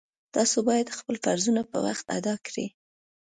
تاسو باید خپل فرضونه په وخت ادا کړئ